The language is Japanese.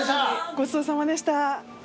ごちそうさまでした。